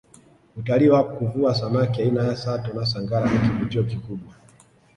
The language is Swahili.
utalii wa kuvua samaki aina ya sato na sangara ni kivutio kikubwa